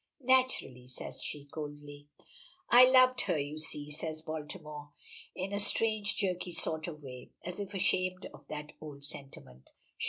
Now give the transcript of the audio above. "Naturally," says she, coldly. "I loved her, you see," says Baltimore, in a strange jerky sort of way, as if ashamed of that old sentiment.